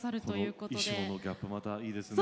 この衣装のギャップまたいいですね。